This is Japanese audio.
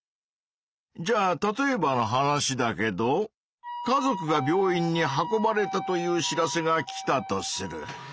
じゃあ例えばの話だけど家族が病院に運ばれたという知らせが来たとする。